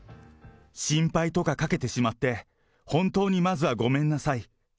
心配とかかけてしまって、本当にまずはごめんなさい。